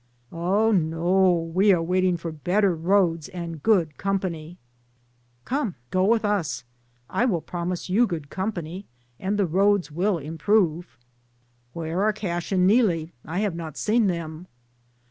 "Oh, no, we are waiting for better roads and good company." "Come, go with us, I will promise you good company, and the roads will improve." "Where are Cash and Neelie? I have not seen them."